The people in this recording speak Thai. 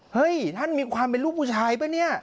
ท่านมีความเป็นลูกผู้ชายป่ะเนี่ย